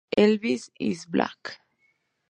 Elvis Is Back!